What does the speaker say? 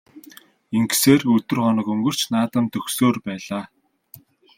Ингэсээр өдөр хоног өнгөрч наадам дөхсөөр байлаа.